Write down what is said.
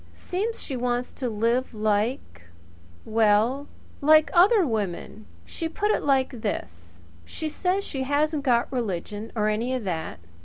Seems she wants to live like well, like other women. She put it like this: She says she hasn't got religion, or any of that.